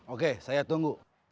oke saya tunggu